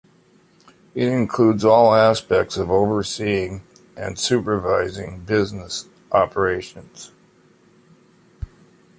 It includes all aspects of overseeing and supervising business operations.